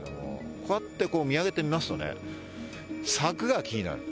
こうやって見上げてみますとね、柵が気になる。